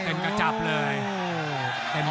เต็มกระจับเลย